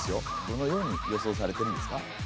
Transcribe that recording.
どのように予想されてるんですか？